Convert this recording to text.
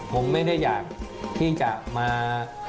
ผมไม่ได้อยากที่จะมา